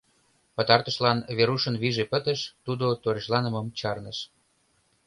Пытартышлан Верушын вийже пытыш, тудо торешланымым чарныш...